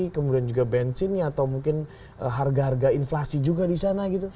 kemudian juga bensinnya atau mungkin harga harga inflasi juga di sana gitu